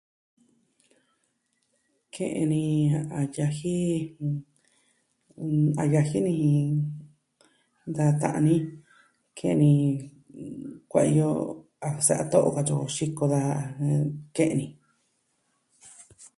Ke'en ni a yaji, a yaji ni, da ta'an ni. ke'en ni kuaiyo a sa'a too, katyi o, xiko daja ke'en ni.